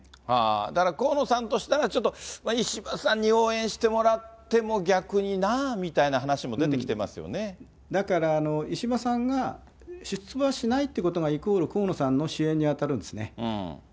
だから、河野さんとしたら、ちょっと石破さんに応援してもらっても逆になあみたいな話も出てだから、石破さんが出馬しないということがイコール河野さんの支援に当たるんですね。